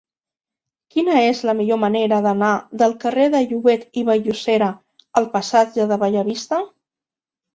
Quina és la millor manera d'anar del carrer de Llobet i Vall-llosera al passatge de Bellavista?